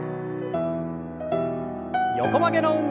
横曲げの運動。